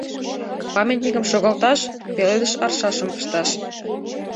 Памятникым шогалташ, пеледыш аршашым пышташ...»